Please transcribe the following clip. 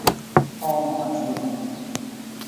鞍馬之勞